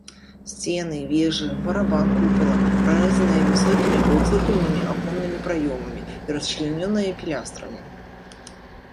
Сцены, вежы, барабан купала прарэзаныя высокімі паўцыркульнымі аконнымі праёмамі і расчлянёныя пілястрамі.